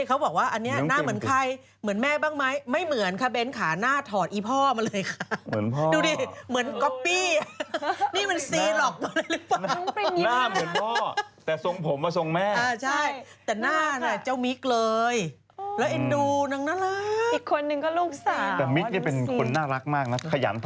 รูปนี้น่ารักที่ถ่ายครอบครัวน่ารักมากเลย